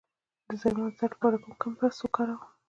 د زایمان د درد لپاره کوم کمپرس وکاروم؟